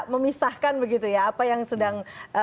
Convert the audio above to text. memisahkan begitu ya apa yang sedang